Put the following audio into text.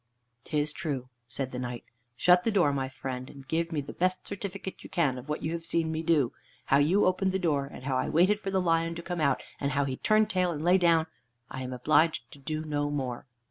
"'Tis true," said the Knight. "Shut the door, my friend, and give me the best certificate you can of what you have seen me do; how you opened the door, and how I waited for the lion to come out, and how he turned tail and lay down. I am obliged to do no more."